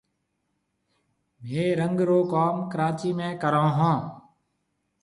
ميه رنگ رو ڪوم ڪراچِي ۾ ڪرون هون۔